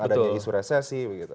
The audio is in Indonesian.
adanya isu resesi begitu